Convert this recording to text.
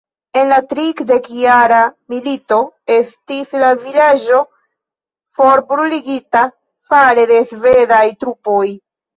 En la Tridekjara Milito estis la vilaĝo forbruligita fare de svedaj trupoj.